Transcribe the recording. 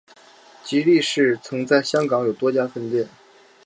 吉利市曾在香港有多家分店。